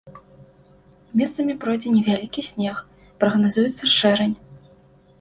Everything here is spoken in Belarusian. Месцамі пройдзе невялікі снег, прагназуецца шэрань.